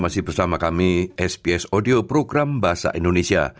sps audio program bahasa indonesia